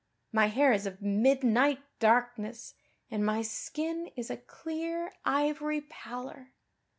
My hair is of midnight darkness and my skin is a clear ivory pallor.